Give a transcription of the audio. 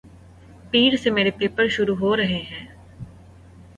پیر سے میرے پیپر شروع ہورہے ھیںـ